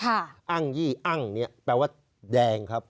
อ้างยี่อ้างเนี่ยแปลว่าแดงครับ